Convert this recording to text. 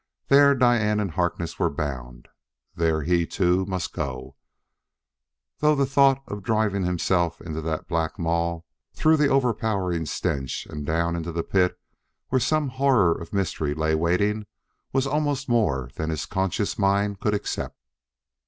There Diane and Harkness were bound; there he, too, must go, though the thought of driving himself into that black maw, through the overpowering stench and down to the pit where some horror of mystery lay waiting, was almost more than his conscious mind could accept.